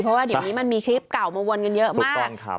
เพราะว่าเดี๋ยวนี้มันมีคลิปเก่ามาวนกันเยอะมาก